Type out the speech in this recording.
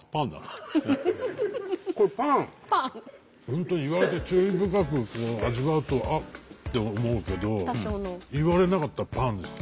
本当に言われて注意深く味わうと「あっ」って思うけど言われなかったらパンです。